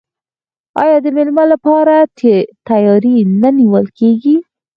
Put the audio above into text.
آیا د میلمه لپاره تیاری نه نیول کیږي؟